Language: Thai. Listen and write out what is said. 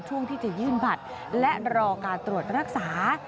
ช่วงที่จะยื่นบัตรและรอการตรวจรักษา